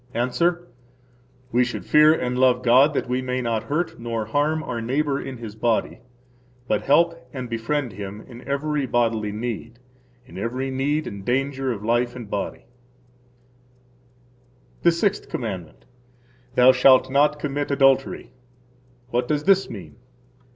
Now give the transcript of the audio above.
–Answer: We should fear and love God that we may not hurt nor harm our neighbor in his body, but help and befriend him in every bodily need [in every need and danger of life and body]. The Sixth Commandment. Thou shalt not commit adultery. What does this mean?